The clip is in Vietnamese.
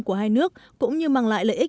của hai nước cũng như mang lại lợi ích